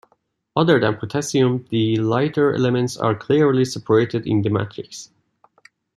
Other than Potassium, the lighter elements are clearly separated in the matrix.